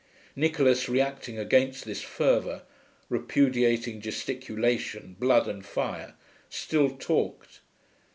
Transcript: Nicholas, reacting against this fervour, repudiating gesticulation, blood and fire, still talked....